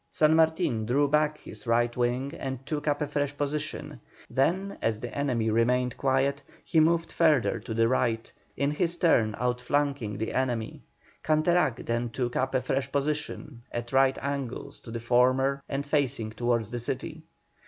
San Martin drew back his right wing and took up a fresh position; then, as the enemy remained quiet, he moved further to the right, in his turn outflanking the enemy. Canterac then took up a fresh position, at right angles to the former and facing towards the city.